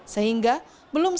sehingga belum sempat